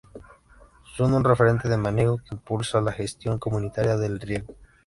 son un referente de manejo que impulsa la gestión comunitaria del riego.